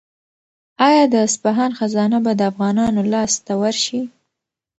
آیا د اصفهان خزانه به د افغانانو لاس ته ورشي؟